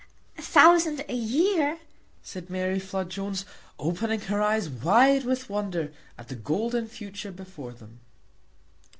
"A thousand a year!" said Mary Flood Jones, opening her eyes wide with wonder at the golden future before them.